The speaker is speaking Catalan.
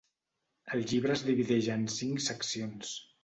El llibre es divideix en cinc seccions.